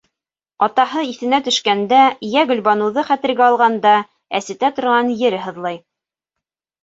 Атаһы иҫенә төшкәндә йә Гөлбаныуҙы хәтергә алғанда әсетә торған ере һыҙлай.